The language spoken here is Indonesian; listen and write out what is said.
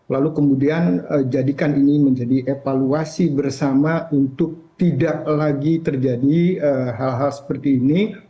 lalu kemudian jadikan ini menjadi evaluasi bersama untuk tidak lagi terjadi hal hal seperti ini